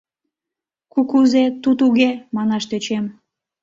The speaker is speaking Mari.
— Ку... кузе ту... туге, — манаш тӧчем.